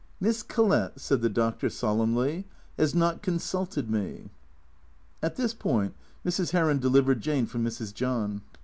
Miss Collett," said the Doctor solemnly, " has not consulted me." At this point Mrs. Heron delivered Jane from Mrs. John.